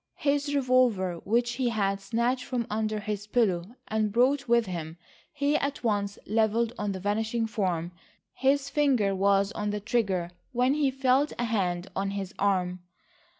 His revolver, which he had snatched from under his pillow and brought with him, he at once levelled on the vanishing form; his finger was on the trigger, when he felt a hand on his arm.